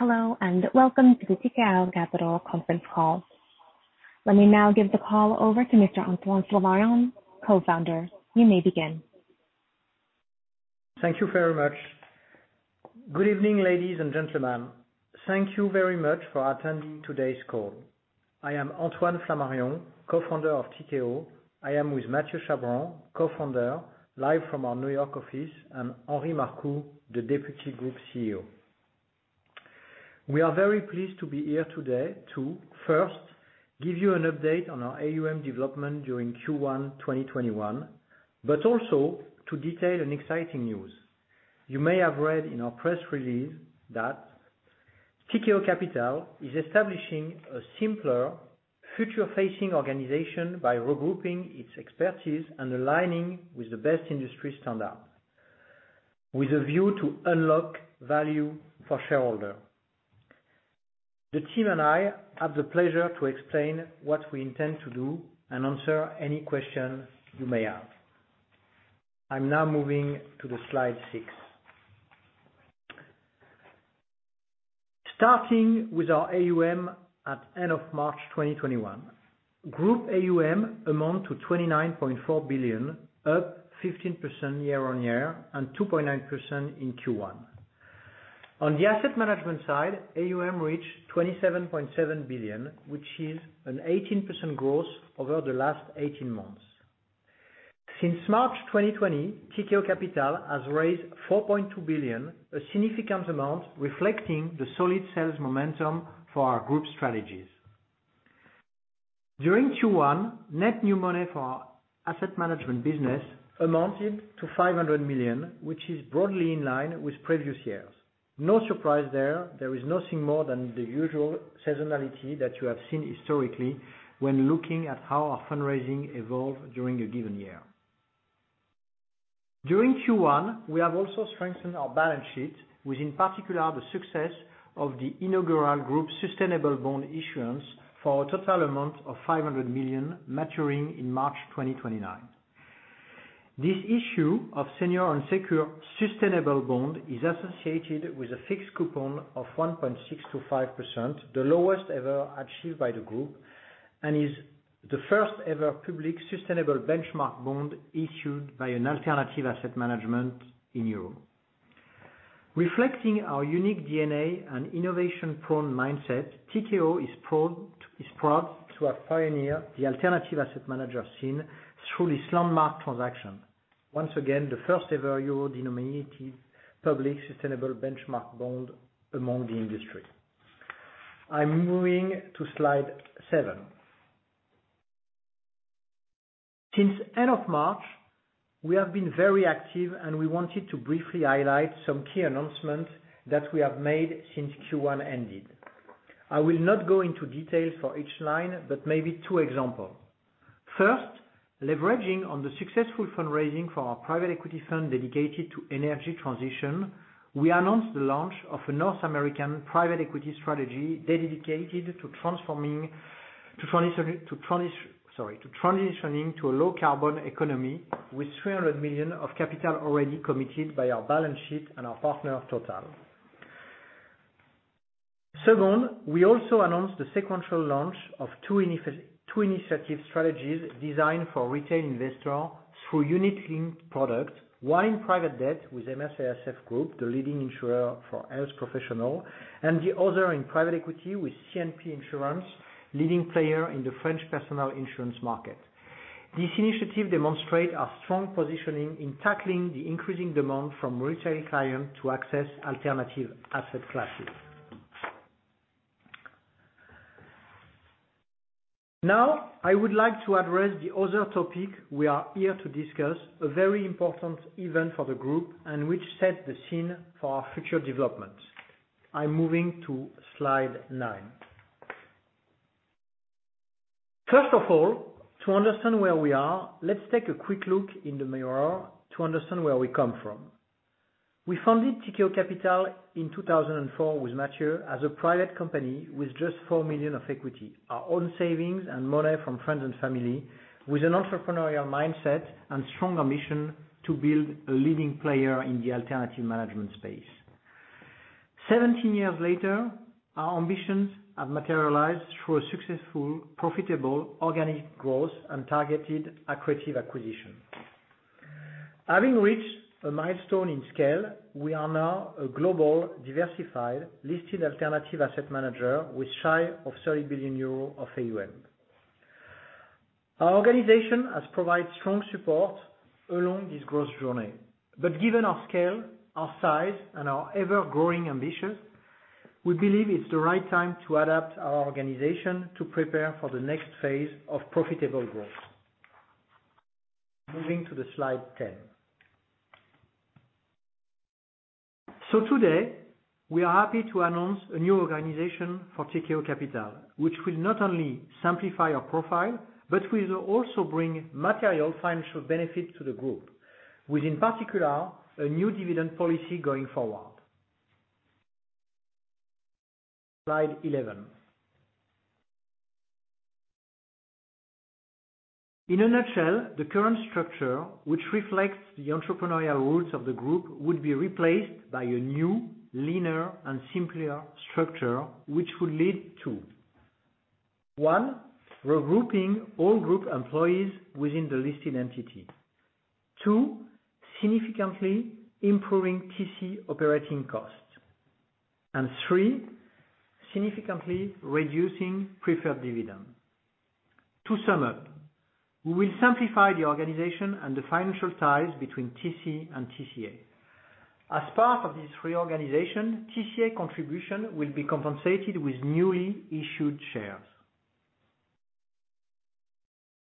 Hello, welcome to the Tikehau Capital conference call. Let me now give the call over to Mr. Antoine Flamarion, Co-Founder. You may begin. Thank you very much. Good evening, ladies and gentlemen. Thank you very much for attending today's call. I am Antoine Flamarion, Co-Founder of Tikehau. I am with Mathieu Chabran, Co-Founder, live from our New York office, and Henri Marcoux, the Deputy Group CEO. We are very pleased to be here today to first give you an update on our AUM development during Q1 2021, but also to detail an exciting news. You may have read in our press release that Tikehau Capital is establishing a simpler, future-facing organization by regrouping its expertise and aligning with the best industry standard with a view to unlock value for shareholders. The team and I have the pleasure to explain what we intend to do and answer any questions you may have. I'm now moving to the slide six. Starting with our AUM at end of March 2021. Group AUM amount to 29.4 billion, up 15% year on year and 2.9% in Q1. On the asset management side, AUM reached 27.7 billion, which is an 18% growth over the last 18 months. Since March 2020, Tikehau Capital has raised 4.2 billion, a significant amount reflecting the solid sales momentum for our group strategies. During Q1, net new money for our asset management business amounted to 500 million, which is broadly in line with previous years. No surprise there. There is nothing more than the usual seasonality that you have seen historically when looking at how our fundraising evolved during a given year. During Q1, we have also strengthened our balance sheet with, in particular, the success of the inaugural group sustainable bond issuance for a total amount of 500 million maturing in March 2029. This issue of senior unsecured sustainable bond is associated with a fixed coupon of 1.625%, the lowest ever achieved by the group, and is the first-ever public sustainable benchmark bond issued by an alternative asset management in Europe. Reflecting our unique DNA and innovation-prone mindset, Tikehau is proud to have pioneered the alternative asset manager scene through this landmark transaction. Once again, the first ever euro-denominated public sustainable benchmark bond among the industry. I'm moving to slide seven. Since end of March, we have been very active, and we wanted to briefly highlight some key announcements that we have made since Q1 ended. I will not go into details for each line, but maybe two examples. Leveraging on the successful fundraising for our Private Equity fund dedicated to energy transition, we announced the launch of a North American Private Equity strategy dedicated to transitioning to a low-carbon economy with 300 million of capital already committed by our balance sheet and our partner, Total. We also announced the sequential launch of two initiative strategies designed for retail investors through unit-linked products, one private debt with MACSF Group, the leading insurer for health professional, and the other in private equity with CNP Insurance, leading player in the French personal insurance market. This initiative demonstrate our strong positioning in tackling the increasing demand from retail clients to access alternative asset classes. I would like to address the other topic we are here to discuss, a very important event for the group and which set the scene for our future development. I'm moving to slide nine. First of all, to understand where we are, let's take a quick look in the mirror to understand where we come from. We founded Tikehau Capital in 2004 with Mathieu as a private company with just 4 million of equity, our own savings and money from friends and family with an entrepreneurial mindset and strong ambition to build a leading player in the alternative management space. 17 years later, our ambitions have materialized through a successful, profitable, organic growth and targeted accretive acquisition. Having reached a milestone in scale, we are now a global, diversified, listed alternative asset manager with shy of 30 billion euro of AUM. Our organization has provided strong support along this growth journey. Given our scale, our size, and our ever-growing ambitions, we believe it's the right time to adapt our organization to prepare for the next phase of profitable growth. Moving to the slide 10. Today, we are happy to announce a new organization for Tikehau Capital, which will not only simplify our profile, but will also bring material financial benefit to the group, with in particular a new dividend policy going forward. Slide 11. In a nutshell, the current structure, which reflects the entrepreneurial roots of the group, would be replaced by a new linear and simpler structure, which will lead to, one, regrouping all group employees within the listed entity. Two, significantly improving TC operating costs. Three, significantly reducing preferred dividend. To sum up, we will simplify the organization and the financial ties between TC and TCA. As part of this reorganization, TCA contribution will be compensated with newly issued shares.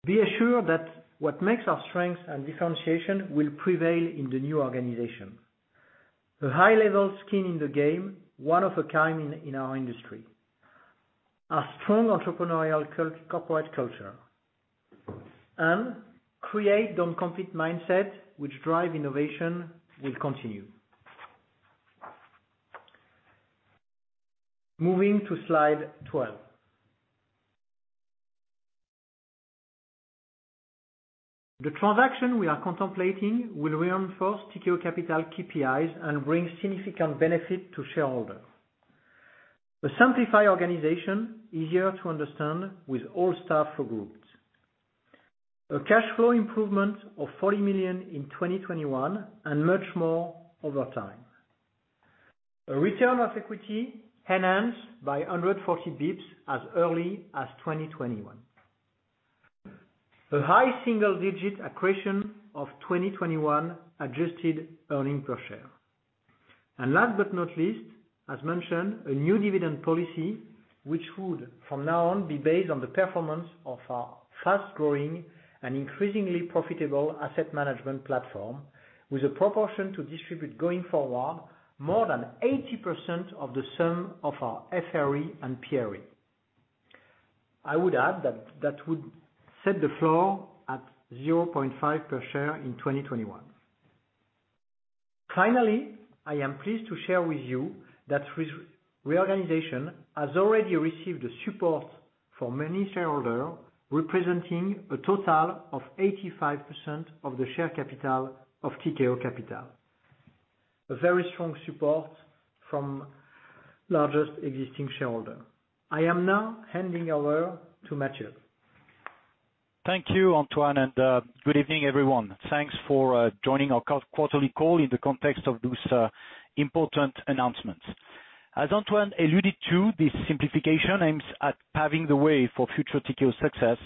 Be assured that what makes our strength and differentiation will prevail in the new organization. The high-level skin in the game, one of a kind in our industry. Our strong entrepreneurial corporate culture and create, don't compete mindset which drive innovation will continue. Moving to slide 12. The transaction we are contemplating will reinforce Tikehau Capital KPIs and bring significant benefit to shareholders. A simplified organization, easier to understand with all staff regrouped. A cash flow improvement of 40 million in 2021 and much more over time. A return of equity enhanced by 140 bps as early as 2021. A high single-digit accretion of 2021 adjusted earnings per share. Last but not least, as mentioned, a new dividend policy, which would from now on be based on the performance of our fast-growing and increasingly profitable asset management platform with a proportion to distribute going forward, more than 80% of the sum of our FRE and PRE. I would add that that would set the floor at 0.5 per share in 2021. Finally, I am pleased to share with you that reorganization has already received the support from many shareholders, representing a total of 85% of the share capital of Tikehau Capital, a very strong support from largest existing shareholder. I am now handing over to Mathieu. Thank you, Antoine, good evening, everyone. Thanks for joining our quarterly call in the context of these important announcements. As Antoine alluded to, this simplification aims at paving the way for future Tikehau success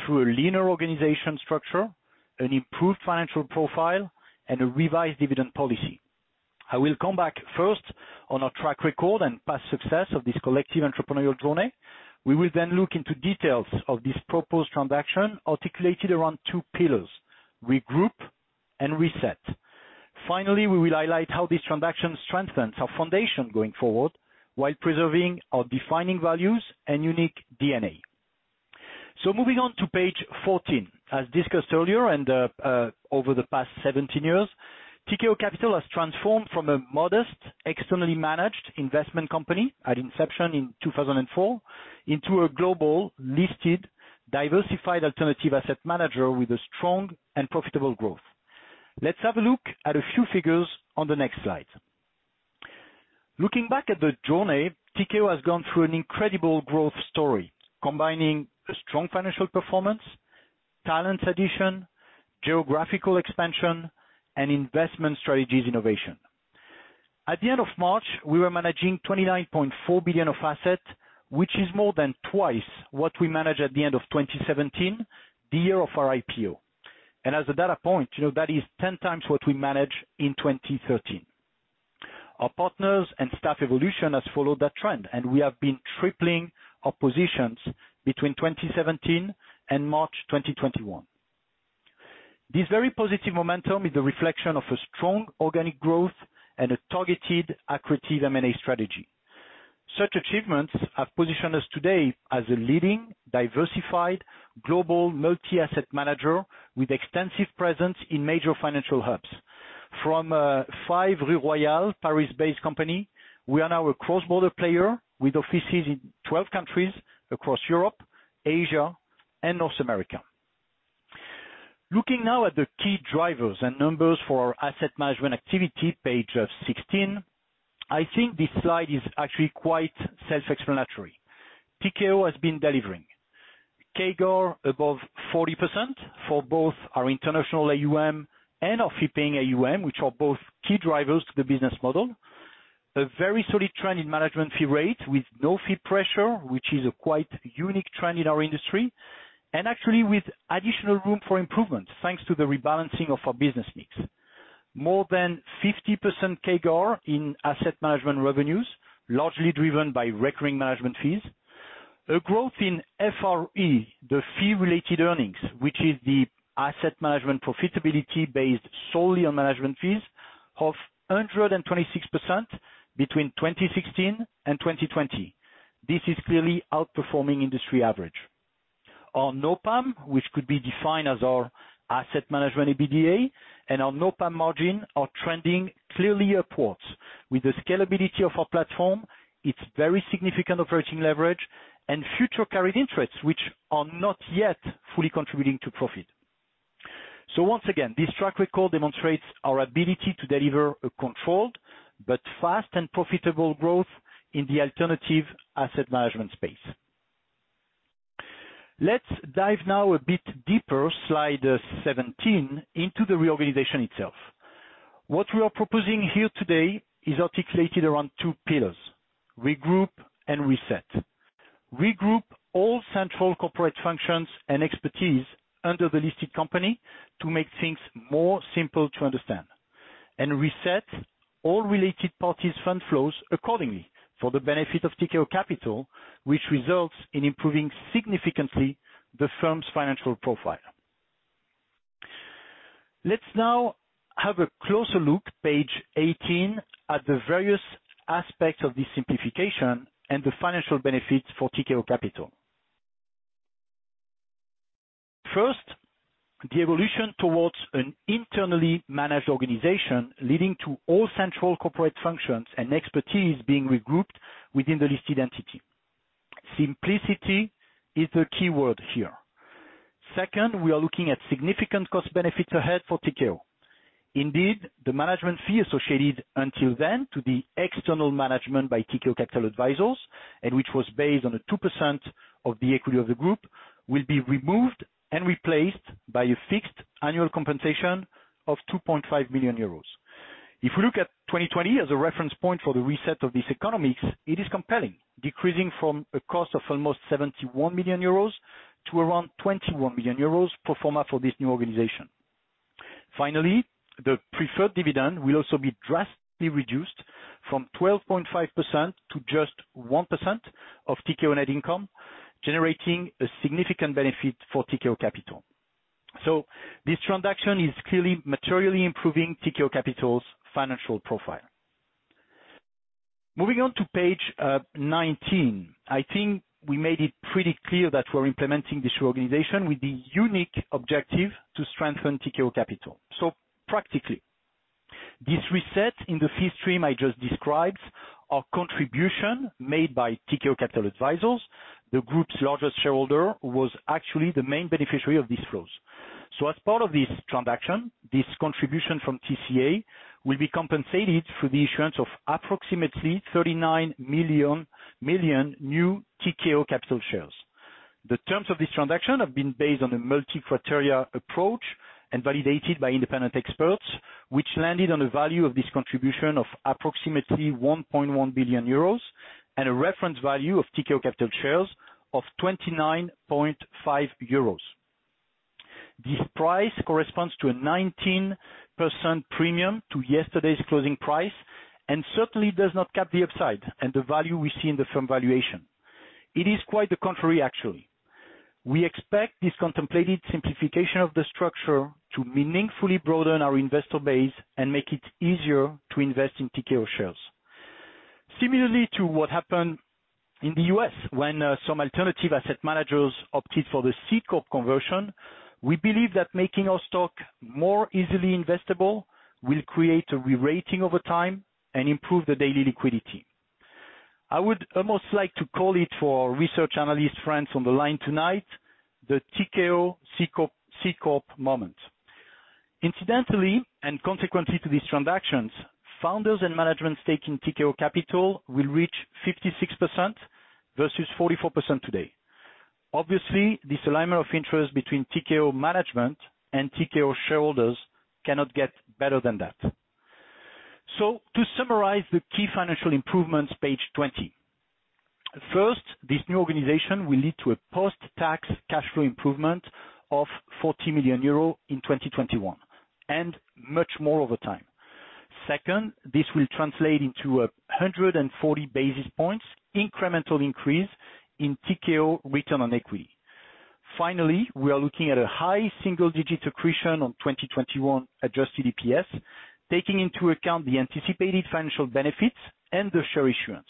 through a linear organizational structure, an improved financial profile, and a revised dividend policy. I will come back first on our track record and past success of this collective entrepreneurial journey. We will look into details of this proposed transaction articulated around two pillars, regroup and reset. We will highlight how this transaction strengthens our foundation going forward while preserving our defining values and unique DNA. Moving on to page 14. As discussed earlier over the past 17 years, Tikehau Capital has transformed from a modest, externally managed investment company at inception in 2004 into a global listed, diversified alternative asset manager with a strong and profitable growth. Let's have a look at a few figures on the next slide. Looking back at the journey, Tikehau has gone through an incredible growth story combining a strong financial performance, talent addition, geographical expansion, and investment strategies innovation. At the end of March, we were managing 29.4 billion of assets, which is more than twice what we managed at the end of 2017, the year of our IPO. As a data point, that is 10x what we managed in 2013. Our partners and staff evolution has followed that trend, and we have been tripling our positions between 2017 and March 2021. This very positive momentum is a reflection of a strong organic growth and a targeted, accretive M&A strategy. Such achievements have positioned us today as a leading, diversified global multi-asset manager with extensive presence in major financial hubs. From a 5 Rue Royale, Paris-based company, we are now a cross-border player with offices in 12 countries across Europe, Asia, and North America. Looking now at the key drivers and numbers for our asset management activity, page 16. I think this slide is actually quite self-explanatory. Tikehau has been delivering. CAGR above 40% for both our international AUM and our fee-paying AUM, which are both key drivers to the business model. A very solid trend in management fee rate with no fee pressure, which is a quite unique trend in our industry, and actually with additional room for improvement, thanks to the rebalancing of our business mix. More than 50% CAGR in asset management revenues, largely driven by recurring management fees. A growth in FRE, the fee-related earnings, which is the asset management profitability based solely on management fees of 126% between 2016 and 2020. This is clearly outperforming industry average. Our NOPAM, which could be defined as our asset management EBITDA and our NOPAM margin are trending clearly upwards. With the scalability of our platform, its very significant operating leverage and future carried interests which are not yet fully contributing to profit. Once again, this track record demonstrates our ability to deliver a controlled but fast and profitable growth in the alternative asset management space. Let's dive now a bit deeper, slide 17, into the reorganization itself. What we are proposing here today is articulated around two pillars, regroup and reset. Regroup all central corporate functions and expertise under the listed company to make things more simple to understand, and reset all related parties' fund flows accordingly for the benefit of Tikehau Capital, which results in improving significantly the firm's financial profile. Let's now have a closer look, page 18, at the various aspects of this simplification and the financial benefits for Tikehau Capital. First, the evolution towards an internally managed organization, leading to all central corporate functions and expertise being regrouped within the listed entity. Simplicity is the keyword here. Second, we are looking at significant cost benefits ahead for Tikehau. Indeed, the management fee associated until then to the external management by Tikehau Capital Advisors, and which was based on a 2% of the equity of the group, will be removed and replaced by a fixed annual compensation of 2.5 million euros. If you look at 2020 as a reference point for the reset of these economics, it is compelling, decreasing from a cost of almost 71 million euros to around 21 million euros pro forma for this new organization. The preferred dividend will also be drastically reduced from 12.5% to just 1% of Tikehau net income, generating a significant benefit for Tikehau Capital. This transaction is clearly materially improving Tikehau Capital's financial profile. Moving on to page 19. I think we made it pretty clear that we're implementing this reorganization with the unique objective to strengthen Tikehau Capital. Practically, this reset in the fee stream I just described are contribution made by Tikehau Capital Advisors, the group's largest shareholder, who was actually the main beneficiary of these flows. As part of this transaction, this contribution from TCA will be compensated for the issuance of approximately 39 million new Tikehau Capital shares. The terms of this transaction have been based on a multi-criteria approach and validated by independent experts, which landed on the value of this contribution of approximately 1.1 billion euros and a reference value of Tikehau Capital shares of 29.5 euros. This price corresponds to a 19% premium to yesterday's closing price, and certainly does not cap the upside and the value we see in the firm valuation. It is quite the contrary actually. We expect this contemplated simplification of the structure to meaningfully broaden our investor base and make it easier to invest in Tikehau shares. Similarly to what happened in the U.S. when some alternative asset managers opted for the C corp conversion, we believe that making our stock more easily investable will create a rerating over time and improve the daily liquidity. I would almost like to call it for our research analyst friends on the line tonight, the Tikehau C corp moment. Incidentally, and consequently to these transactions, founders and management stake in Tikehau Capital will reach 56% versus 44% today. Obviously, this alignment of interest between Tikehau management and Tikehau shareholders cannot get better than that. To summarize the key financial improvements, page 20. First, this new organization will lead to a post-tax cash flow improvement of 40 million euro in 2021, and much more over time. Second, this will translate into 140 basis points incremental increase in Tikehau return on equity. Finally, we are looking at a high single-digit accretion on 2021 adjusted EPS, taking into account the anticipated financial benefits and the share issuance.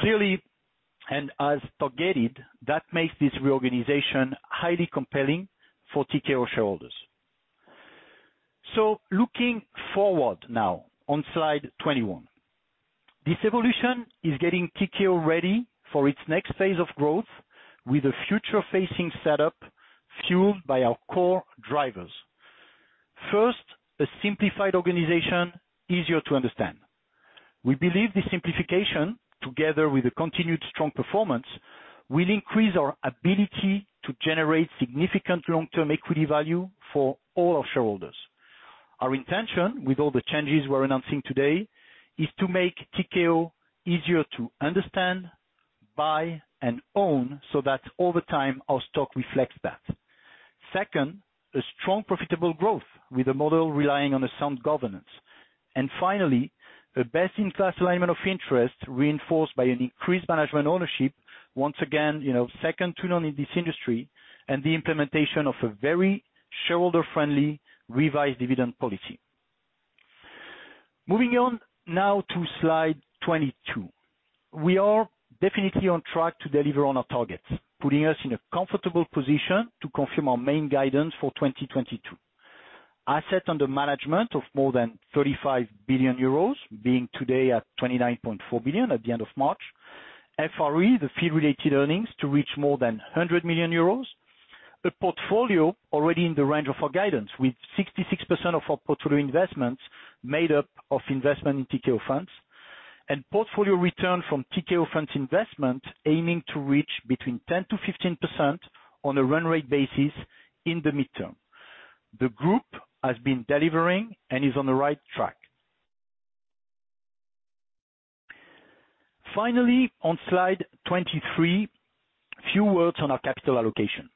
Clearly, and as targeted, that makes this reorganization highly compelling for Tikehau shareholders. Looking forward now on slide 21. This evolution is getting Tikehau ready for its next phase of growth with a future-facing setup fueled by our core drivers. First, a simplified organization, easier to understand. We believe this simplification, together with the continued strong performance, will increase our ability to generate significant long-term equity value for all our shareholders. Our intention with all the changes we're announcing today is to make Tikehau easier to understand, buy, and own so that over time, our stock reflects that. Second, a strong profitable growth with a model relying on a sound governance. Finally, a best-in-class alignment of interest reinforced by an increased management ownership, once again, second to none in this industry, and the implementation of a very shareholder-friendly revised dividend policy. Moving on now to slide 22. We are definitely on track to deliver on our targets, putting us in a comfortable position to confirm our main guidance for 2022. Assets under management of more than 35 billion euros, being today at 29.4 billion at the end of March. FRE, the fee-related earnings, to reach more than 100 million euros. A portfolio already in the range of our guidance, with 66% of our portfolio investments made up of investment in Tikehau funds. Portfolio return from Tikehau funds investment aiming to reach between 10%-15% on a run rate basis in the midterm. The group has been delivering and is on the right track. Finally, on slide 23, a few words on our capital allocation.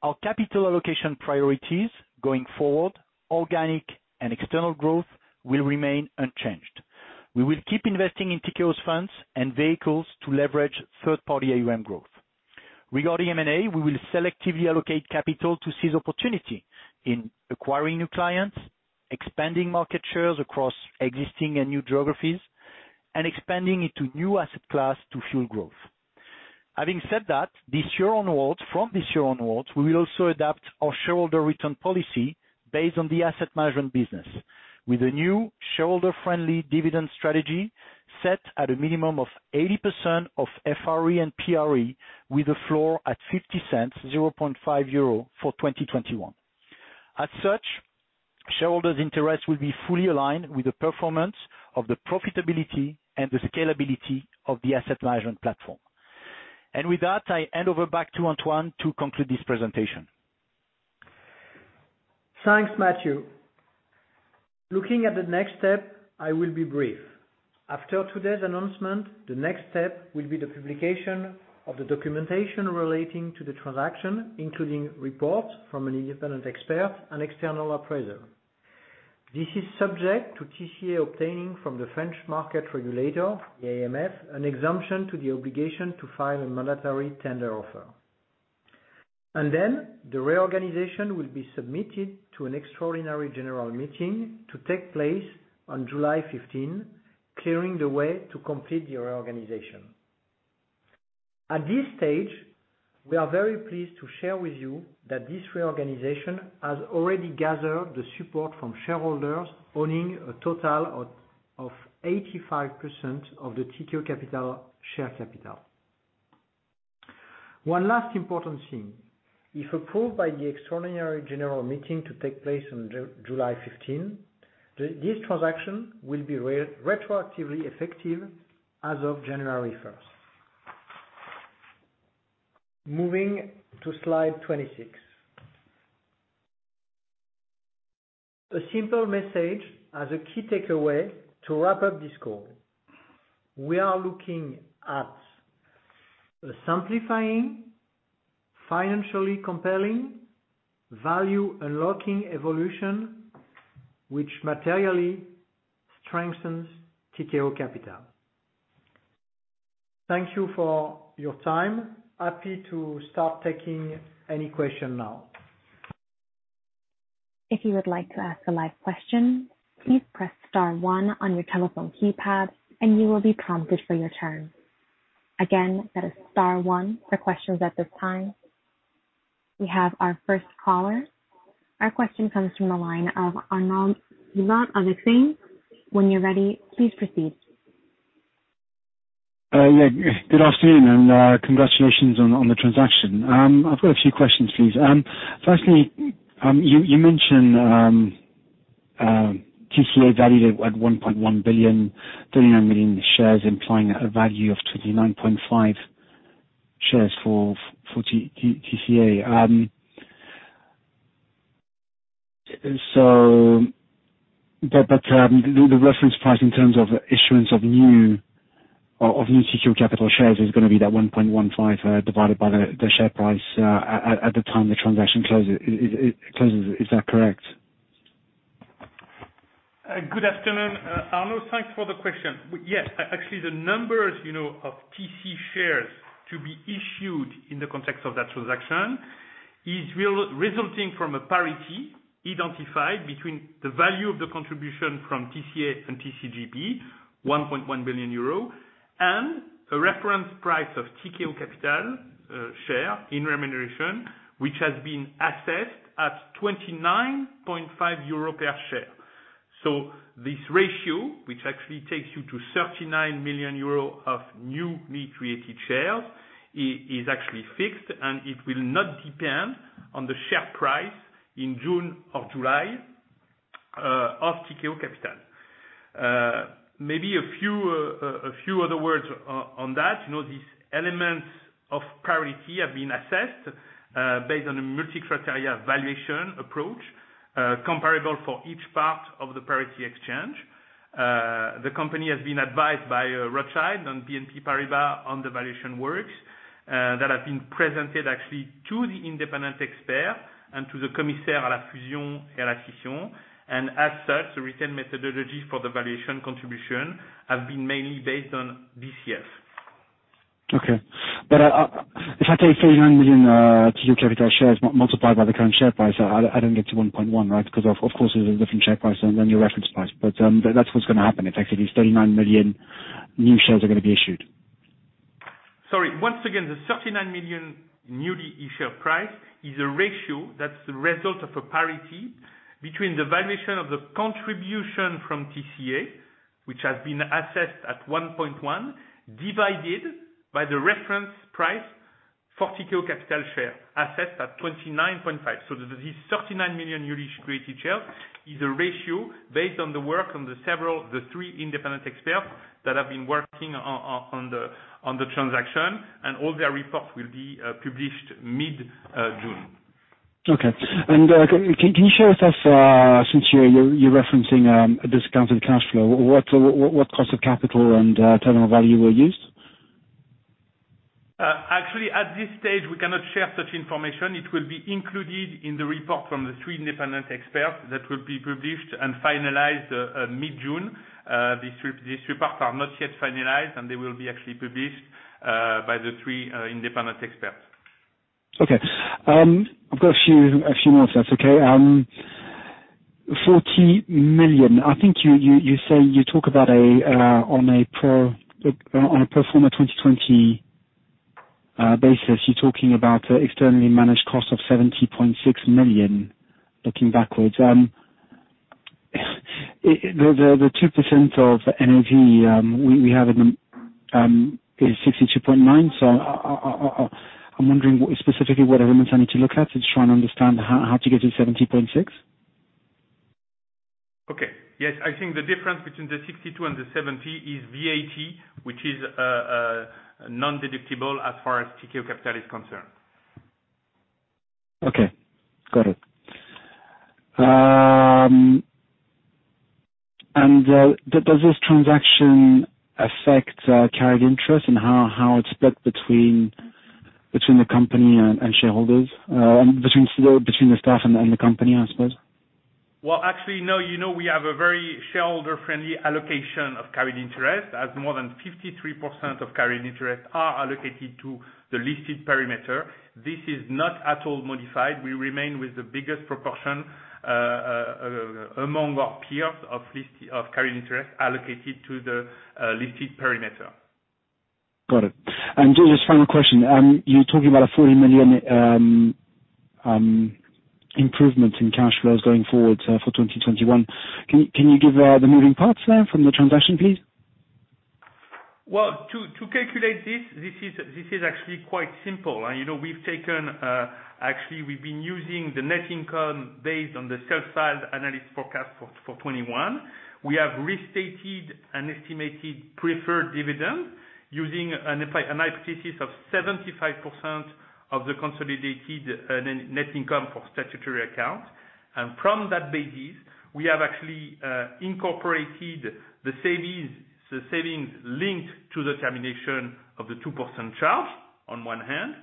Our capital allocation priorities going forward, organic and external growth, will remain unchanged. We will keep investing in Tikehau funds and vehicles to leverage third-party AUM growth. Regarding M&A, we will selectively allocate capital to seize opportunity in acquiring new clients, expanding market shares across existing and new geographies, and expanding into new asset class to fuel growth. Having said that, from this year onwards, we will also adapt our shareholder return policy based on the asset management business with a new shareholder-friendly dividend strategy set at a minimum of 80% of FRE and PRE with the floor at 0.50 for 2021. As such, shareholders' interests will be fully aligned with the performance of the profitability and the scalability of the asset management platform. With that, I hand over back to Antoine to complete this presentation. Thanks, Mathieu. Looking at the next step, I will be brief. After today's announcement, the next step will be the publication of the documentation relating to the transaction, including reports from an independent expert and external appraiser. This is subject to TCA obtaining from the French market regulator, the AMF, an exemption to the obligation to file a mandatory tender offer. The reorganization will be submitted to an extraordinary general meeting to take place on July 15, clearing the way to complete the reorganization. At this stage, we are very pleased to share with you that this reorganization has already gathered the support from shareholders owning a total of 85% of the Tikehau Capital share capital. One last important thing. If approved by the extraordinary general meeting to take place on July 15, this transaction will be retroactively effective as of January 1st. Moving to slide 26. A simple message as a key takeaway to wrap up this call. We are looking at a simplifying, financially compelling, value-unlocking evolution, which materially strengthens Tikehau Capital. Thank you for your time. Happy to start taking any question now. If you would like to ask a live question, please press star one on your telephone keypad, and you will be prompted for your turn. Again, that is star one for questions at this time. We have our first caller. Our question comes from the line of Arnaud Giblat of Exane. When you're ready, please proceed. Good afternoon, and congratulations on the transaction. I've got a few questions, please. Firstly, you mentioned Tikehau value at 1.1 billion million shares, implying a value of 29.5 shares for TCA. The reference price in terms of issuance of new Tikehau Capital shares is going to be that 1.15 divided by the share price at the time the transaction closes. Is that correct? Good afternoon, Arnaud. Thanks for the question. Yes. Actually, the numbers of TC shares to be issued in the context of that transaction is resulting from a parity identified between the value of the contribution from TCA and TCGP, 1.1 billion euro, and a reference price of Tikehau Capital share in remuneration, which has been assessed at 29.5 euro per share. This ratio, which actually takes you to 39 million euro of newly created shares, is actually fixed, and it will not depend on the share price in June or July of Tikehau Capital. Maybe a few other words on that. These elements of parity have been assessed based on a multi-criteria valuation approach comparable for each part of the parity exchange. The company has been advised by Rothschild and BNP Paribas on the valuation works that have been presented actually to the independent expert and to the Commissaire aux fusions et acquisitions. As such, the retained methodology for the valuation contribution has been mainly based on DCF. Okay. If I take 39 million Tikehau Capital shares multiplied by the current share price, I don't get to 1.1 billion, right? Because, of course, there's a different share price than the reference price. That's what's going to happen effectively, 39 million new shares are going to be issued. Sorry. Once again, the 39 million newly issued share price is a ratio that's the result of a parity between the valuation of the contribution from TCA, which has been assessed at 1.1 billion, divided by the reference price, 42 capital share, assessed at 29.5. This 39 million newly created share is a ratio based on the work on the three independent experts that have been working on the transaction, and all their reports will be published mid-June. Okay. Can you share with us, since you're referencing a discounted cash flow, what cost of capital and terminal value were used? Actually, at this stage, we cannot share such information. It will be included in the report from the three independent experts that will be published and finalized mid-June. These reports are not yet finalized, and they will be actually published by the three independent experts. I've got a few actually more stuff, okay. 40 million. I think you talk about on a pro forma 2020 basis, you're talking about an externally managed cost of 17.6 million, looking backwards. The 2% of NAV we have is 62.9. I'm wondering what specifically I'm trying to look at is trying to understand how to get to 17.6 million. Okay. Yes, I think the difference between the 62 million and the 70 million is VAT, which is non-deductible as far as Tikehau Capital is concerned. Okay, got it. Does this transaction affect carried interest and how it's split between the company and shareholders, between the staff and the company, I suppose? Well, actually, no. We have a very shareholder-friendly allocation of carried interest, as more than 53% of carried interest are allocated to the listed perimeter. This is not at all modified. We remain with the biggest proportion among our peers of carried interest allocated to the listed perimeter. Got it. Just final question. You're talking about a 40 million improvement in cash flows going forward for 2021. Can you give the moving parts there from the transaction, please? Well, to calculate this is actually quite simple. Actually, we've been using the net income based on the sell side analyst forecast for 2021. We have restated an estimated preferred dividend using an IPC of 75% of the consolidated net income for statutory accounts. From that basis, we have actually incorporated the savings linked to the termination of the 2% charge on one hand.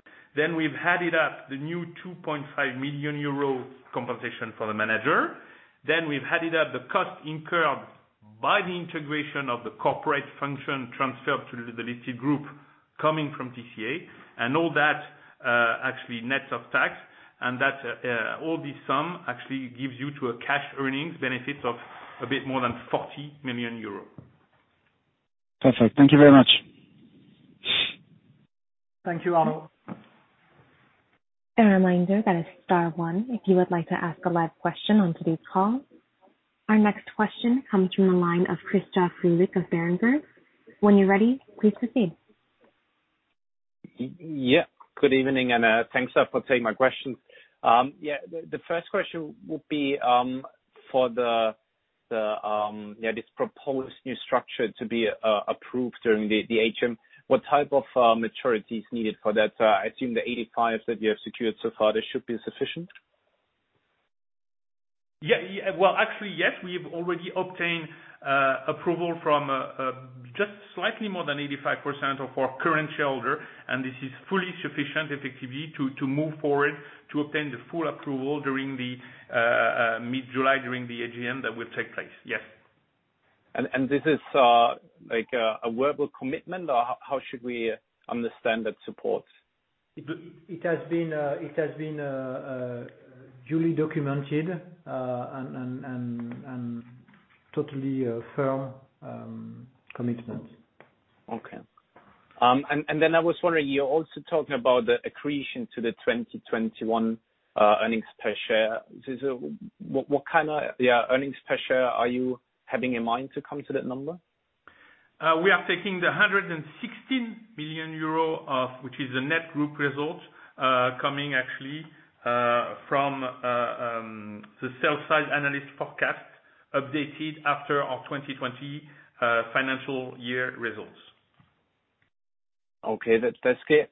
We've added up the new 2.5 million euro compensation for the manager. We've added up the cost incurred by the integration of the corporate function transferred to the listed group coming from TCA, and all that actually net of tax, and that all this sum actually gives you to a cash earnings benefit of a bit more than 40 million euros. Perfect. Thank you very much. Thank you, Arnaud. A reminder that it's star one if you would like to ask a live question on today's call. Our next question comes from the line of Christoph Greulich of Berenberg. When you're ready, please proceed. Yeah, good evening, and thanks for taking my question. The first question would be for this proposed new structure to be approved during the AGM. What type of maturity is needed for that? I think the 85% that you have secured so far, that should be sufficient? Well, actually, yes. We have already obtained approval from just slightly more than 85% of our current shareholder, and this is fully sufficient effectively to move forward to obtain the full approval mid-July during the AGM that will take place. Yes. This is a verbal commitment, or how should we understand that support? It has been duly documented and totally a firm commitment. Okay. I was wondering, you're also talking about the accretion to the 2021 earnings per share. What kind of earnings per share are you having in mind to come to that number? We are taking the 160 million euro, which is the net group result, coming actually from the sell side analyst forecast updated after our 2020 financial year results. Okay, that's clear.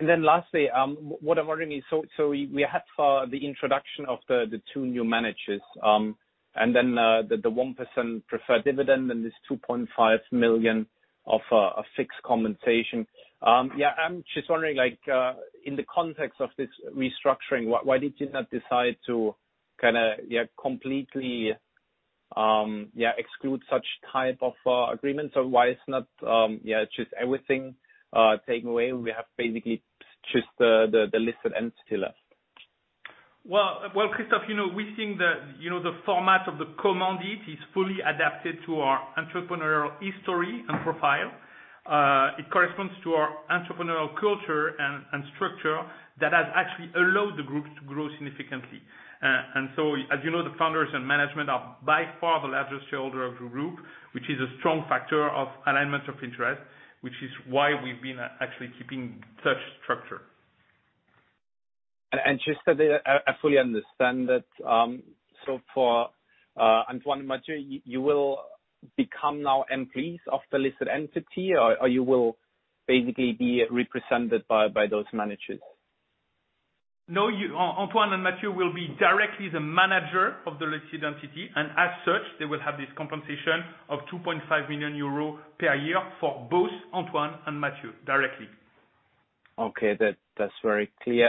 Lastly, what I'm wondering is, so we had the introduction of the two new managers, and then the 1% preferred dividend and this 2.5 million of fixed compensation. I'm just wondering, in the context of this restructuring, why did you not decide to kind of completely exclude such type of agreements? Why it's not just everything taken away, and we have basically just the listed entity left? Well, Christoph, we think that the format of the commandite is fully adapted to our entrepreneurial history and profile. It corresponds to our entrepreneurial culture and structure that has actually allowed the group to grow significantly. As you know, the founders and management are by far the largest shareholder of the group, which is a strong factor of alignment of interest, which is why we've been actually keeping such structure. Just that I fully understand that. For Antoine and Mathieu, you will become now employees of the listed entity, or you will basically be represented by those managers? No, Antoine and Mathieu will be directly the manager of the listed entity, and as such, they will have this compensation of 2.5 million euros per year for both Antoine and Mathieu directly. Okay. That's very clear.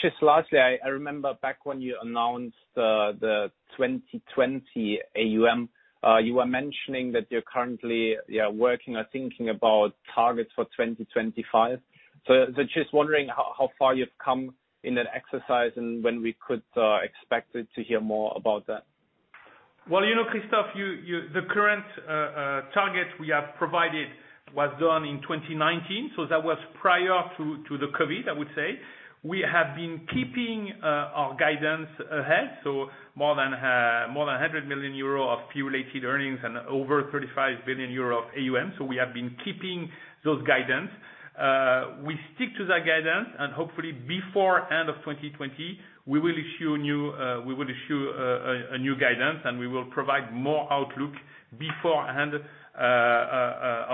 Just lastly, I remember back when you announced the 2020 AUM, you were mentioning that you're currently working on thinking about targets for 2025. Just wondering how far you've come in that exercise and when we could expect to hear more about that. Well, Christoph, the current target we have provided was done in 2019, so that was prior to the COVID, I would say. We have been keeping our guidance ahead, so more than 100 million euro of cumulative earnings and over 35 billion euro of AUM. We have been keeping those guidance. We stick to that guidance, and hopefully before end of 2020, we will issue a new guidance, and we will provide more outlook before end of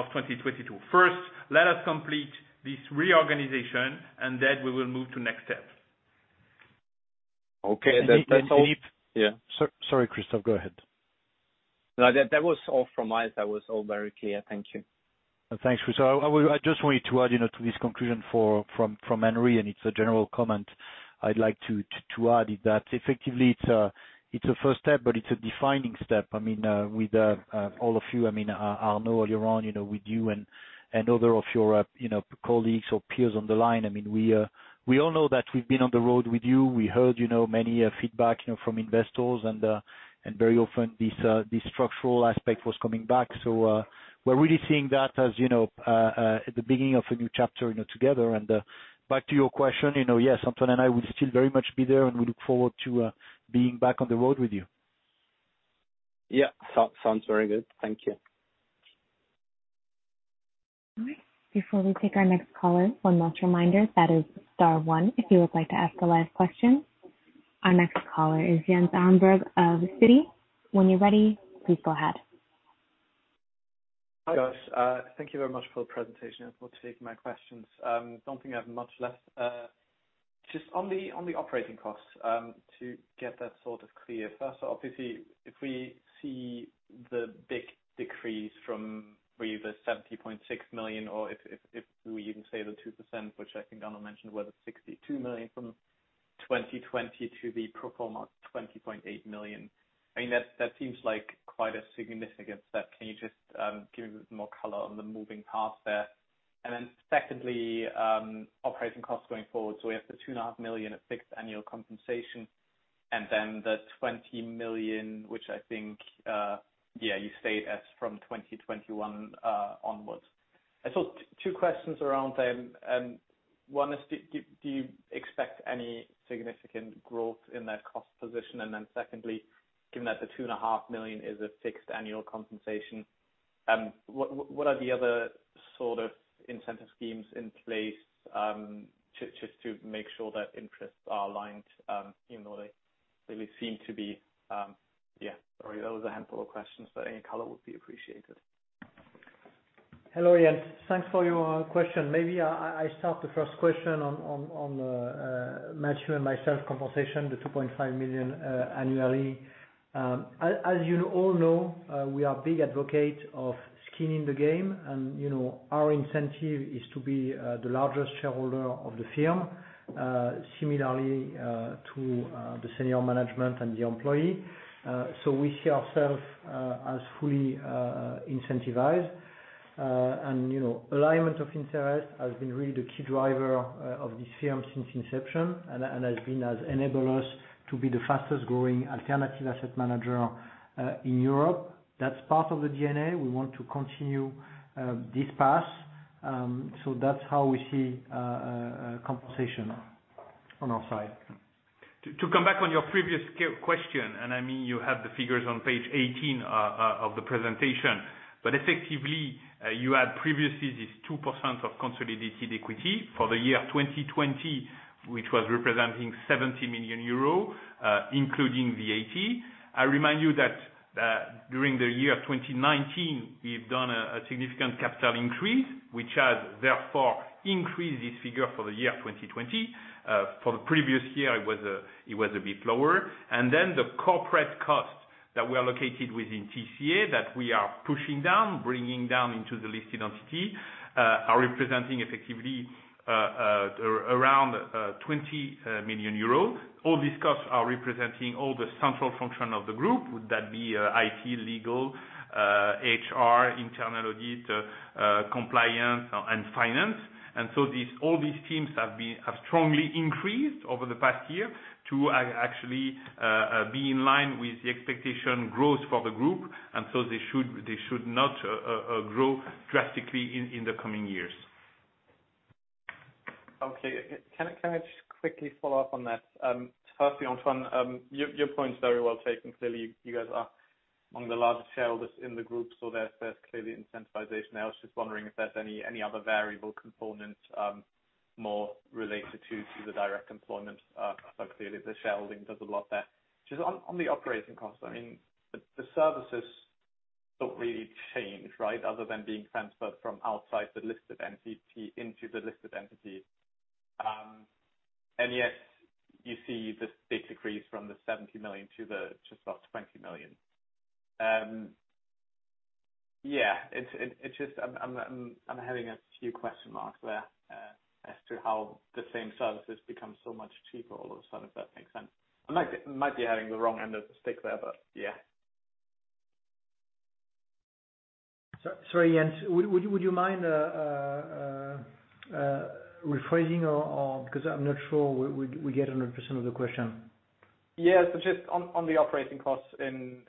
2022. First, let us complete this reorganization, and then we will move to next step. Okay. Sorry, Christoph, go ahead. No, that was all from my side. That was all very clear. Thank you. Thank you. I just wanted to add to this conclusion from Henri, and it's a general comment I'd like to add, is that effectively it's a first step, but it's a defining step. With all of you, Arnaud, you're on with you and other of your colleagues or peers on the line. We all know that we've been on the road with you. We heard many feedback from investors, and very often this structural aspect was coming back. We're really seeing that as the beginning of a new chapter together. Back to your question, yes, Antoine and I will still very much be there, and we look forward to being back on the road with you. Yeah. Sounds very good. Thank you. Before we take our next caller, one last reminder, that is star one if you would like to ask the last question. Our next caller is Jan Sandberg of Citi. When you're ready, please go ahead. Guys, thank you very much for the presentation, and for taking my questions. Don't think I have much left. Just on the operating costs, to get that sort of clear. First, obviously, if we see the big decrease from really the 70.6 million, or if we even say the 2%, which I think Arnaud mentioned, whether 62 million from 2020 to the pro forma 20.8 million, that seems like quite a significant step. Can you just give me more color on the moving parts there? Secondly, operating costs going forward. We have the 2.5 million of fixed annual compensation and then the 20 million, which I think you say as from 2021 onwards. Two questions around them. One is, do you expect any significant growth in that cost position? Secondly, given that the two and a half million is a fixed annual compensation, what are the other sort of incentive schemes in place just to make sure that interests are aligned similarly? They would seem to be. Yeah, sorry. Those are handful of questions. Any color would be appreciated. Hello, Jan. Thanks for your question. Maybe I start the first question on Mathieu and myself compensation, the 2.5 million annually. As you all know, we are big advocate of skin in the game, and our incentive is to be the largest shareholder of the firm similarly to the senior management and the employee. We see ourself as fully incentivized, and alignment of interest has been really the key driver of this firm since inception and has enabled us to be the fastest growing alternative asset manager in Europe. That's part of the DNA. We want to continue this path. That's how we see compensation on our side. To come back on your previous question, and you have the figures on page 18 of the presentation, but effectively, you had previously this 2% of consolidated equity for the year 2020, which was representing 70 million euros, including VAT. I remind you that during the year 2019, we've done a significant capital increase, which has therefore increased this figure for the year 2020. For the previous year, it was a bit lower. The corporate costs that were allocated within TCA that we are pushing down, bringing down into the listed entity, are representing effectively around 20 million euros. All these costs are representing all the central function of the group, would that be IT, legal, HR, internal audit, compliance, and finance. All these teams have strongly increased over the past year to actually be in line with the expectation growth for the group, and so they should not grow drastically in the coming years. Okay. Can I just quickly follow up on that? Firstly on fund, your point is very well taken. Clearly, you guys are on the larger share that's in the group, so there's clearly incentivization. I was just wondering if there's any other variable components more related to the direct component. Clearly, the shareholding does a lot there. Just on the operating costs, the services don't really change, right? Other than being transferred from outside the listed entity into the listed entity. Yet you see the big decrease from the 70 million to the just about 20 million. Yeah. I'm having a few question marks there as to how the same services become so much cheaper all of a sudden, if that makes sense. I might be having the wrong end of the stick there, but yeah. Sorry, Jan, would you mind rephrasing because I'm not sure we get 100% of the question. Yeah. Just on the operating costs in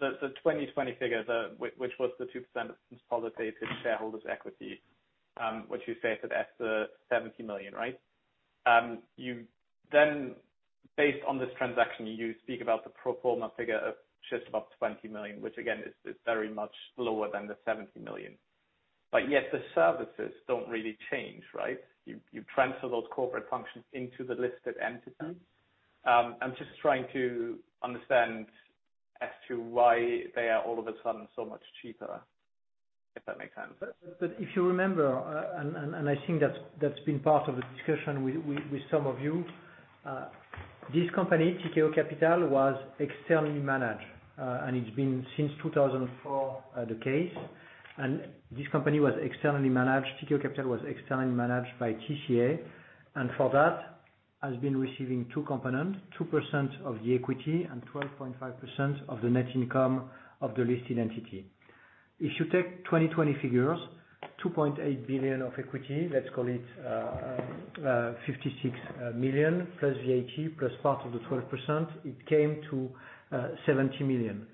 the 2020 figure, which was the 2% consolidated shareholder's equity, which you say is at the 70 million, right? Based on this transaction, you speak about the pro forma figure of just about 20 million, which again, is very much lower than the 70 million. Yet the services don't really change, right? You transfer those corporate functions into the listed entity. I'm just trying to understand as to why they are all of a sudden so much cheaper, if that makes sense. If you remember, and I think that's been part of the discussion with some of you, this company, Tikehau Capital, was externally managed. It's been since 2004 the case. This company was externally managed. Tikehau Capital was externally managed by TCA, and for that has been receiving two components: 2% of the equity and 12.5% of the net income of the listed entity. If you take 2020 figures, 2.8 billion of equity, let's call it 56 million, plus VAT, plus part of the 12%, it came to 70 million.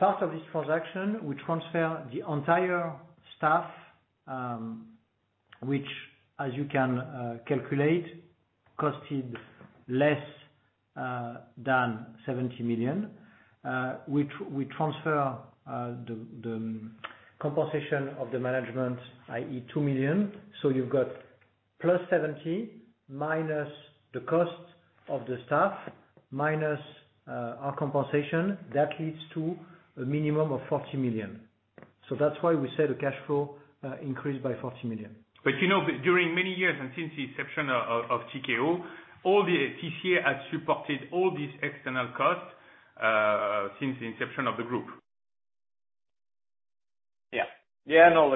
Part of this transaction, we transfer the entire staff, which as you can calculate, costed less than 70 million, which we transfer the compensation of the management, i.e., 2 million. You've got plus 70, minus the cost of the staff, minus our compensation. That leads to a minimum of 40 million. that's why we said the cash flow increased by 40 million. during many years and since the inception of Tikehau, all the TCA has supported all these external costs since the inception of the group. Yeah. No,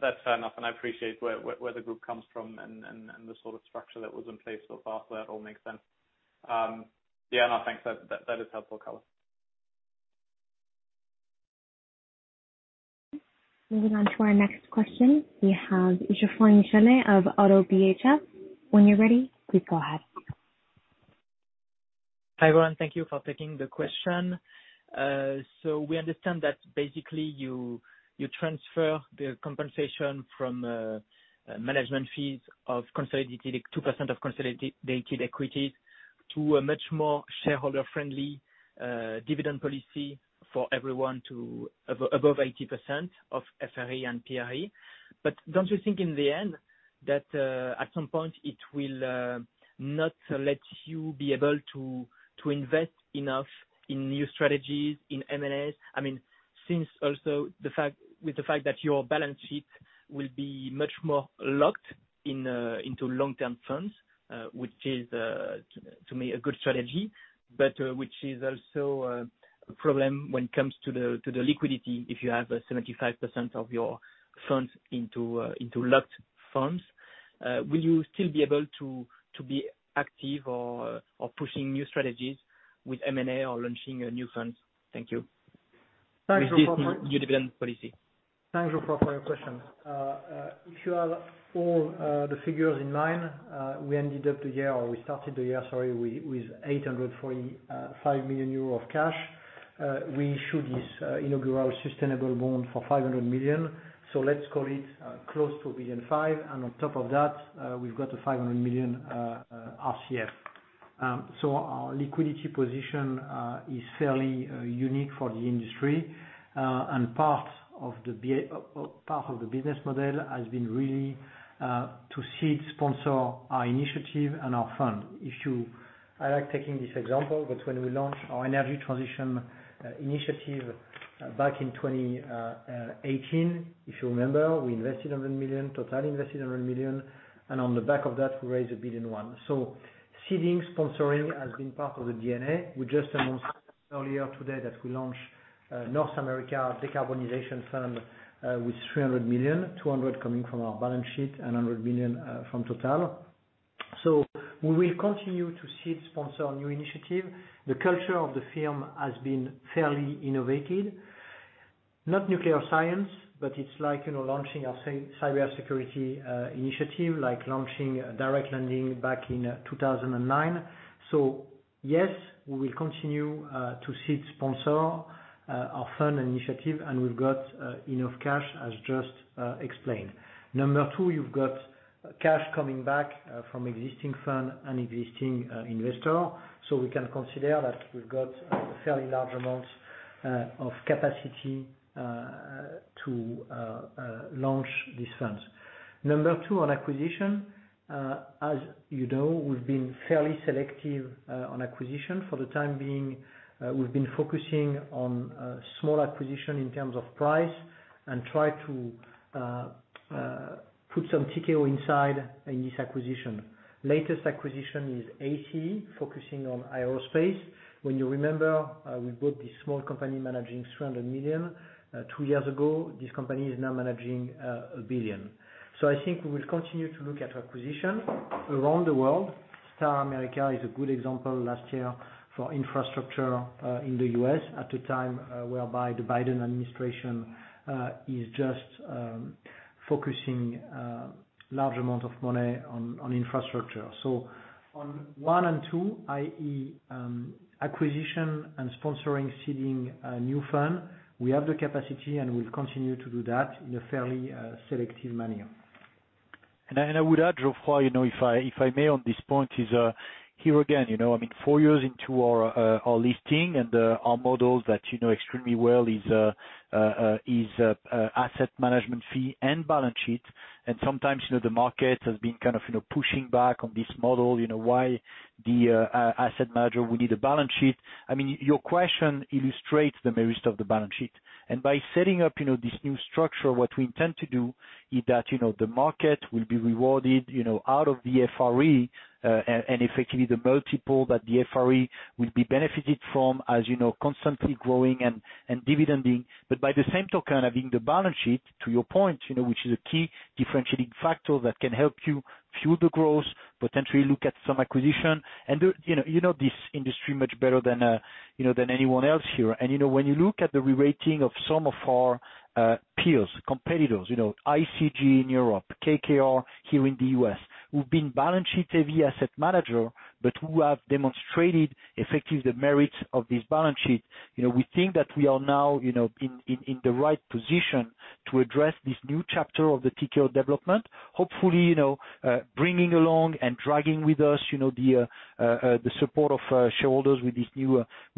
that's fair enough, and I appreciate where the group comes from and the sort of structure that was in place so far. That all makes sense. Yeah. No, thanks. That is helpful color. Moving on to our next question, we have Geoffroy Michalet of ODDO BHF. When you're ready, please go ahead. Hi, everyone. Thank you for taking the question. We understand that basically you transfer the compensation from management fees of 2% of consolidated equity to a much more shareholder-friendly dividend policy for everyone to above 80% of FRE and PRE. Don't you think in the end that at some point it will not let you be able to invest enough in new strategies in M&A? Since also with the fact that your balance sheet will be much more locked into long-term funds, which is to me a good strategy, but which is also a problem when it comes to the liquidity if you have 75% of your funds into locked funds. Will you still be able to be active or pushing new strategies with M&A or launching new funds? Thank you. Thanks Geoffroy. With this dividend policy. Thanks Geoffroy for your question. If you have all the figures in mind, we ended the year or we started the year, sorry, with 845 million euros of cash. We issued this inaugural sustainable bond for 500 million. Let's call it close to 1.5 billion. On top of that, we've got a 500 million RCF. Our liquidity position is fairly unique for the industry. Part of the business model has been really to seed sponsor our initiative and our fund. I like taking this example, but when we launched our energy transition initiative back in 2018, if you remember, we invested 100 million, Total invested 100 million, and on the back of that, we raised 1.1 billion. Seeding sponsoring has been part of the DNA. We just announced earlier today that we launched North America Decarbonization Fund with 300 million, 200 million coming from our balance sheet and 100 million from Total. We will continue to seed sponsor new initiatives. The culture of the firm has been fairly innovative. Not nuclear science, but it's like launching our cybersecurity initiative, like launching direct lending back in 2009. Yes, we will continue to seed sponsor our fund initiative, and we've got enough cash, as just explained. Number two, you've got cash coming back from existing fund and existing investor. We can consider that we've got fairly large amounts of capacity to launch these funds. Number two, on acquisition. As you know, we've been fairly selective on acquisition for the time being. We've been focusing on small acquisition in terms of price and try to put some Tikehau inside in this acquisition. Latest acquisition is ACE, focusing on aerospace. When you remember, we bought this small company managing 300 million two years ago. This company is now managing 1 billion. I think we will continue to look at acquisition around the world. Star America is a good example last year for infrastructure in the U.S. at a time whereby the Biden administration is just focusing large amount of money on infrastructure. On one and two, i.e., acquisition and sponsoring seeding a new fund, we have the capacity, and we'll continue to do that in a fairly selective manner. I would add, Geoffroy, if I may, on this point is, here again, four years into our listing and our models that you know extremely well is asset management fee and balance sheet. Sometimes, the market has been kind of pushing back on this model. Why the asset manager will need a balance sheet. Your question illustrates the merits of the balance sheet. By setting up this new structure, what we intend to do is that the market will be rewarded out of the FRE, and effectively the multiple that the FRE will be benefited from as constantly growing and dividending. By the same token, having the balance sheet, to your point, which is a key differentiating factor that can help you fuel the growth, potentially look at some acquisition. You know this industry much better than anyone else here. When you look at the rerating of some of our peers, competitors, ICG in Europe, KKR here in the U.S., who've been balance sheet-heavy asset manager, but who have demonstrated effectively the merits of this balance sheet. We think that we are now in the right position to address this new chapter of the Tikehau development, hopefully bringing along and dragging with us the support of shareholders with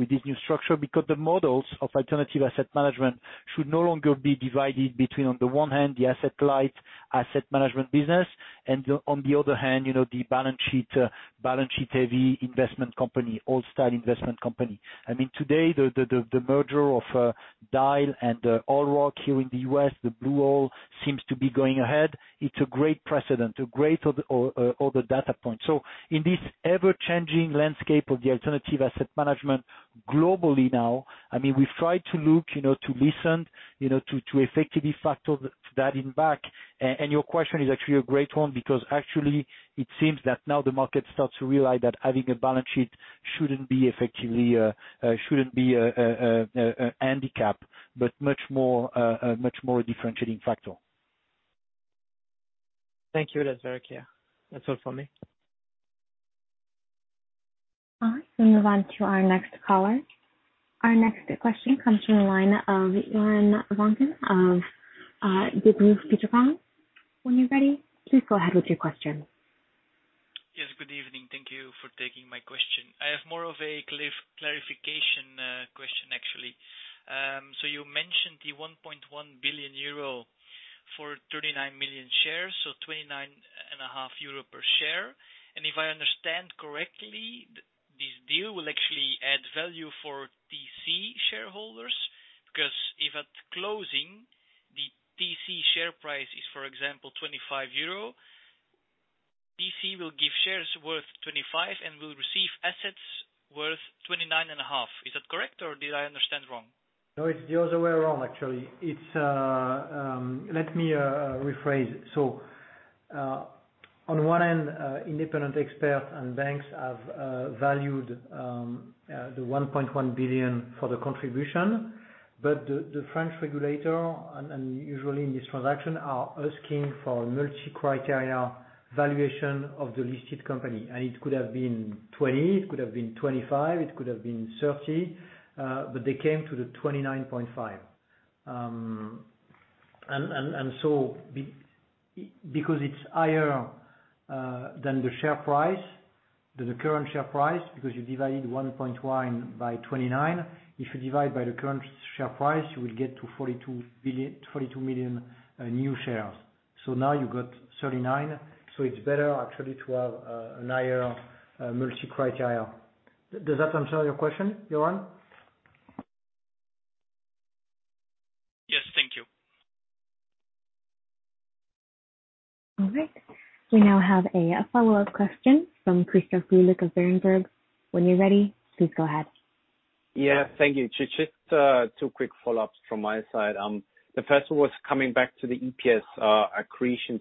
this new structure. Because the models of alternative asset management should no longer be divided between, on the one hand, the asset light asset management business, and on the other hand, the balance sheet-heavy investment company, old style investment company. Today, the merger of Dyal and Owl Rock here in the U.S., Blue Owl seems to be going ahead. It's a great precedent, a great other data point. in this ever-changing landscape of the alternative asset management globally now, we try to look, to listen, to effectively factor that in back and your question is actually a great one, because actually it seems that now the market starts to realize that having a balance sheet shouldn't be a handicap, but much more a differentiating factor. Thank you, Patrick. That's all for me. All right. We move on to our next caller. Our next question comes from the line of Johann. When you're ready, please go ahead with your question. Yes, good evening. Thank you for taking my question. I have more of a clarification question, actually. You mentioned the 1.1 billion euro for 39 million shares, 29.5 euro per share. If I understand correctly, this deal will actually add value for TC shareholders. If at closing the TC share price is, for example, 25 euro, TC will give shares worth 25 and will receive assets worth 29.5. Is that correct, or did I understand wrong? No, it's the other way around, actually. Let me rephrase it. On one end, independent experts and banks have valued the 1.1 billion for the contribution. The French regulator, and usually in this transaction, are asking for multi-criteria valuation of the listed company. It could have been 20, it could have been 25, it could have been 30. They came to the 29.5. Because it's higher than the share price, than the current share price, because you divided 1.1 billion by 29. If you divide by the current share price, you will get to 42 million new shares. Now you've got 39. It's better actually to have a higher multi-criteria. Does that answer your question, Johann? Yes. Thank you. All right. We now have a follow-up question from Christoph Greulich of Berenberg. When you're ready, please go ahead. Yeah, thank you. Just two quick follow-ups from my side. The first was coming back to the EPS accretion.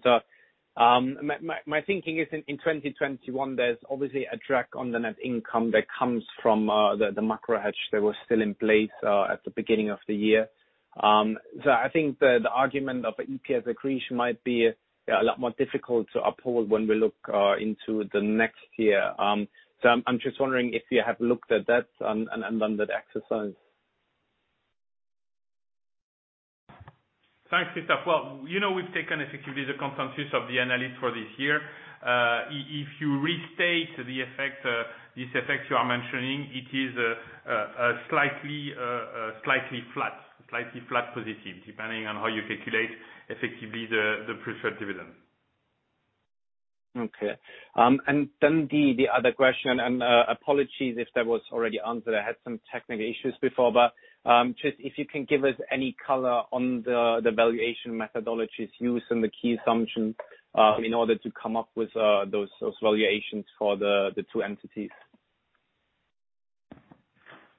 My thinking is in 2021, there is obviously a drag on the net income that comes from the macro hedge that was still in place at the beginning of the year. I think the argument of EPS accretion might be a lot more difficult to uphold when we look into the next year. I am just wondering if you have looked at that and done that exercise. Thanks, Christoph. We've taken effectively the consensus of the analyst for this year. If you restate this effect you are mentioning, it is a slightly flat position, depending on how you calculate effectively the preferred dividend. Okay. The other question, and apologies if that was already answered, I had some technical issues before, but just if you can give us any color on the valuation methodologies used and the key assumptions in order to come up with those valuations for the two entities.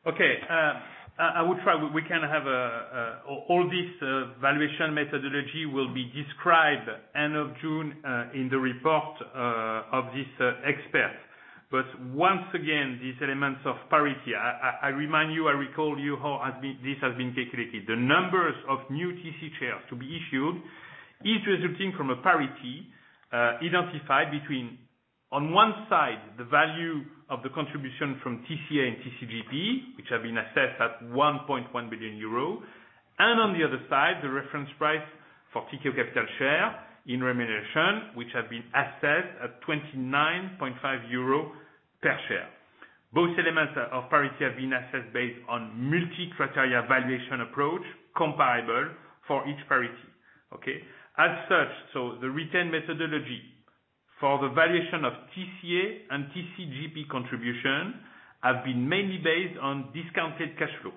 Okay. I will try. All this valuation methodology will be described end of June in the report of this expert. Once again, these elements of parity, I remind you, I recall you how this has been calculated. The numbers of new TC shares to be issued is resulting from a parity identified between, on one side, the value of the contribution from TCA and TCGP, which have been assessed at 1.1 billion euro, and on the other side, the reference price for Tikehau Capital share in remuneration, which have been assessed at 29.5 euros per share. Both elements of parity have been assessed based on multi-criteria valuation approach, comparable for each parity. Okay. As such, the retained methodology for the valuation of TCA and TCGP contribution have been mainly based on discounted cash flow.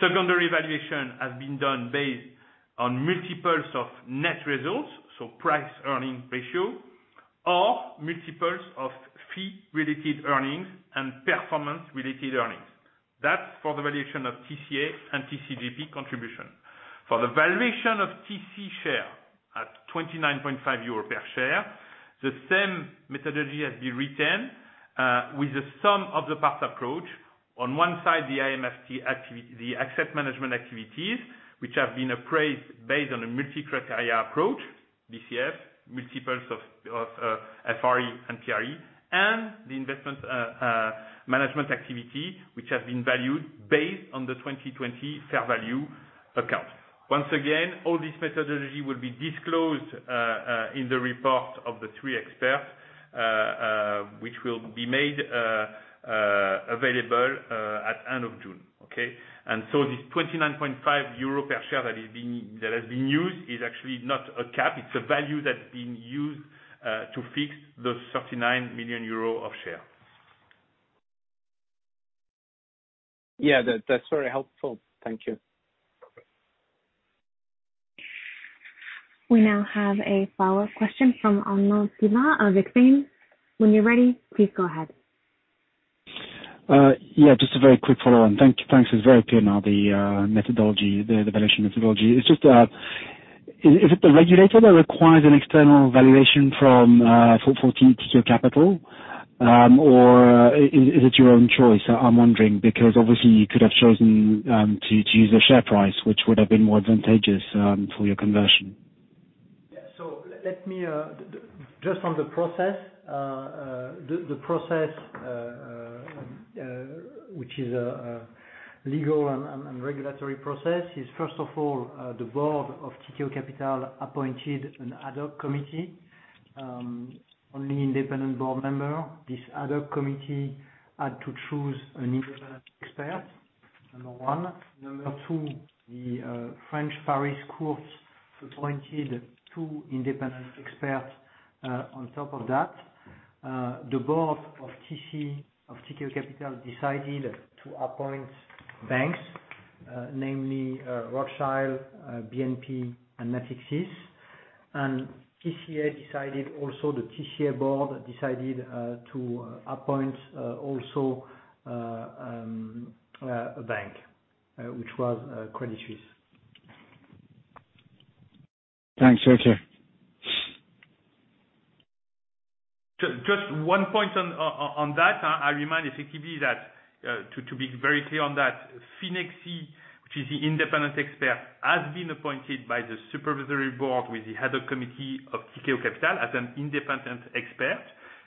Secondary valuation has been done based on multiples of net results, so price-earnings ratio or multiples of fee-related earnings and performance-related earnings. That's for the valuation of TCA and TCGP contribution. For the valuation of TC share at 29.5 euros per share, the same methodology has been retained, with the sum of the parts approach. On one side, the asset management activities, which have been appraised based on a multi-criteria approach, DCF, multiples of FRE and PRE, and the investment management activity, which has been valued based on the 2020 fair value accounts. Once again, all this methodology will be disclosed in the report of the three experts, which will be made available at end of June. Okay. This 29.5 euro per share that has been used is actually not a cap. It's a value that's being used to fix those 39 million euro of share. Yeah, that's very helpful. Thank you. We now have a follow-up question from Arnaud Giblat of Exane. When you're ready, please go ahead. Yeah, just a very quick follow-on. Thanks. It's very clear now, the valuation methodology. Is it the regulator that requires an external valuation from, for Tikehau Capital? Or is it your own choice, I'm wondering, because obviously you could have chosen to use a share price, which would have been more advantageous for your conversion. On the process, which is a legal and regulatory process, is first of all, the board of Tikehau Capital appointed an ad hoc committee, only independent board member. This ad hoc committee had to choose an independent expert, number one. Number two, the French Paris courts appointed two independent experts, on top of that. The board of Tikehau Capital decided to appoint banks, namely Rothschild, BNP, and Natixis, and TCA decided also, the TCA board decided to appoint also a bank, which was Credit Suisse. Thanks. Very clear. Just one point on that. I remind effectively that to be very clear on that, Finexsi, which is the independent expert, has been appointed by the supervisory board with the head of committee of Tikehau Capital as an independent expert.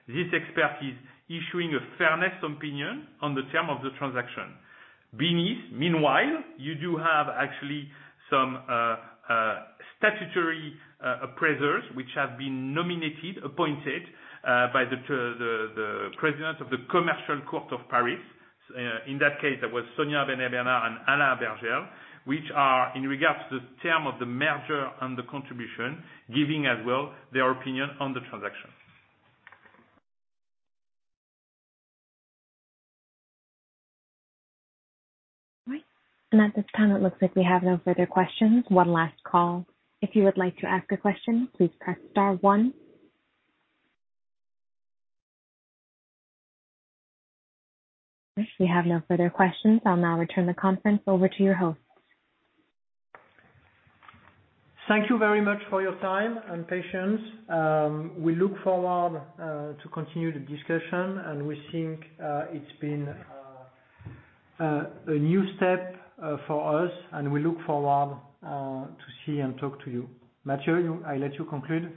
This expert is issuing a fairness opinion on the term of the transaction. Beneath, meanwhile, you do have actually some statutory appraisers which have been nominated, appointed by the President of the Commercial Court of Paris. In that case, that was Sonia Bonavena and Anna Berger, which are in regards to the term of the merger and the contribution, giving as well their opinion on the transaction. Right. And at this time, it looks like we have no further questions. One last call. If you would like to ask a question, please press star one. We have no further questions. I'll now return the conference over to your host. Thank you very much for your time and patience. We look forward to continue the discussion, and we think it's been a new step for us, and we look forward to see and talk to you. Mathieu, I let you conclude.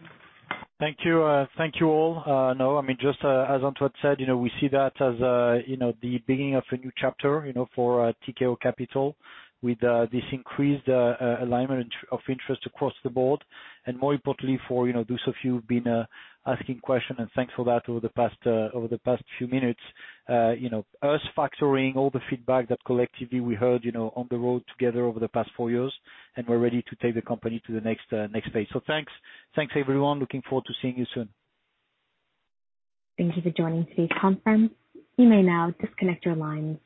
Thank you. Thank you all. No, just as Antoine said, we see that as the beginning of a new chapter for Tikehau Capital with this increased alignment of interest across the board, and more importantly for those of you who've been asking questions, and thanks for that, over the past few minutes. Us factoring all the feedback that collectively we heard on the road together over the past four years, and we're ready to take the company to the next phase. Thanks. Thanks, everyone. Looking forward to seeing you soon. Thank you for joining today's conference. You may now disconnect your lines.